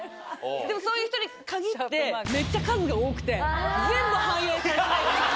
でもそういう人に限ってめっちゃ数が多くて。